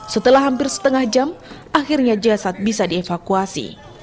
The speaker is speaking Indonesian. setelah hampir setengah jam akhirnya jasad bisa dievakuasi